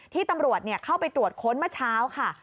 ที่ตำรวจเข้าไปตรวจค้นเมื่อเช้าค่ะ